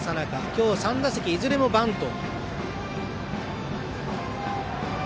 今日、３打席いずれもバント。